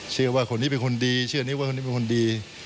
เชื่อว่าคนนี้เป็นคนดีเชื่อนี้ว่าคนนี้เป็นคนดี